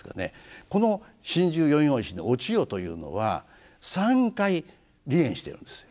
この「心中宵庚申」のお千代というのは３回離縁してるんですよ。